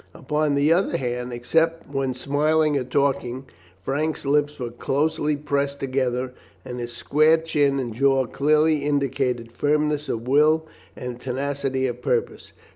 Upon the other hand, except when smiling or talking, Frank's lips were closely pressed together, and his square chin and jaw clearly indicated firmness of will and tenacity of purpose.